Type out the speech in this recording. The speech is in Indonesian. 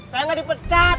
saya gak dipecat